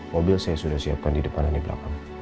mobil saya sudah siapkan di depan dan di belakang